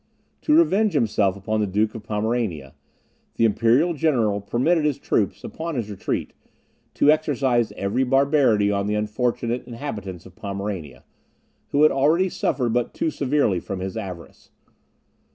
To revenge himself upon the Duke of Pomerania, the imperial general permitted his troops, upon his retreat, to exercise every barbarity on the unfortunate inhabitants of Pomerania, who had already suffered but too severely from his avarice.